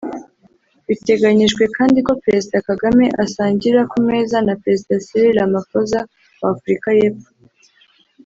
Biteganyijwe kandi ko Perezida Kagame asangira ku meza na Perezida Cyril Ramaphosa wa Afurika y’Epfo